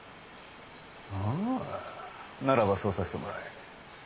ああならばそうさせてもらえ。